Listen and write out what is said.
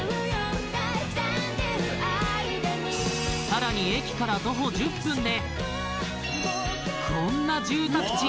さらに駅から徒歩１０分でこんな住宅地